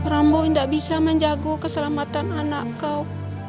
rambo tidak bisa menjaga keselamatan anak kau